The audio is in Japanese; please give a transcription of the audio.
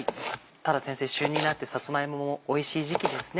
ただ先生旬になってさつま芋もおいしい時期ですね。